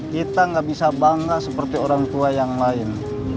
kita nggak bisa bangga seperti orang tua yang lain